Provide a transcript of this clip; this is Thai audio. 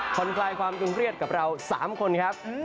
คนคลายความจริงเรียดกับเราสามคนครับ